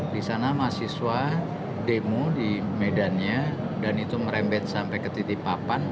di sana mahasiswa demo di medannya dan itu merembet sampai ke titik papan